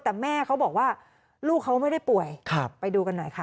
แต่แม่เขาบอกว่าลูกเขาไม่ได้ป่วยไปดูกันหน่อยค่ะ